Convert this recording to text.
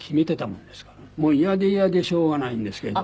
もう嫌で嫌でしょうがないんですけど。